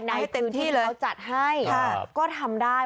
ในคืนที่เขาจัดให้ก็ทำได้